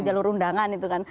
jalur undangan itu kan